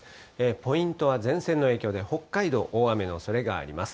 ポイントは前線の影響で、北海道、大雨のおそれがあります。